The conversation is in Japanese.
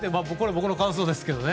僕の感想ですけどね。